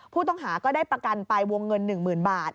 ผู้ต่องหาก็ได้ประกันไปวงเงินหนึ่งหมื่นบาท